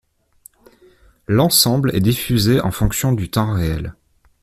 L'ensemble est diffusé en fonction du temps réel.